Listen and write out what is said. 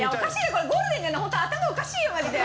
これゴールデンなのにホント頭おかしいよマジで。